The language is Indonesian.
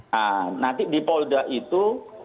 nah nanti di polda itu